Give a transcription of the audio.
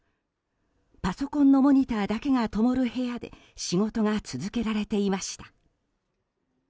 パソコンのモニターだけがともる部屋で仕事が続けられていました。